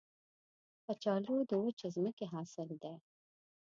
کچالو د وچې ځمکې حاصل دی